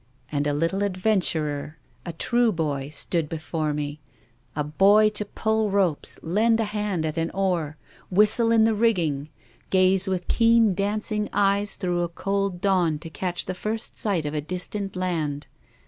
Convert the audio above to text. And a little adventurer, a true boy, stood before me, a boy to pull ropes, lend a hand at an oar, whistle in the rigging, gaze with keen dancing eyes through a cold dawn to catch the first sight of a distant land.